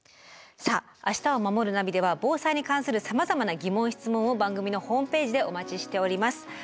さあ「明日をまもるナビ」では防災に関するさまざまな疑問・質問を番組のホームページでお待ちしております。